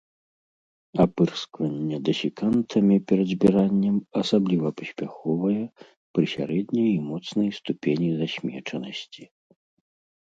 Апырскванне дэсікантамі перад збіраннем асабліва паспяховае пры сярэдняй і моцнай ступені засмечанасці.